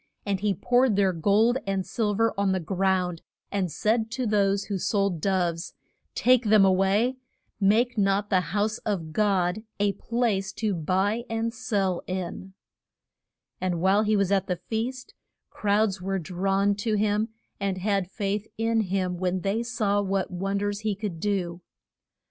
And he poured their gold and sil ver on the ground, and said to those who sold doves, Take them a way; make not the house of God a place to buy and sell in. [Illustration: DRIV ING THE SELL ERS FROM THE TEM PLE.] And while he was at the feast crowds were drawn to him, and had faith in him when they saw what won ders he could do.